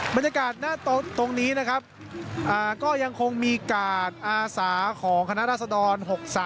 บรรยากาศณตนนี้นะครับก็ยังมีการอาสาวร์ของคณะรัศดร๖๓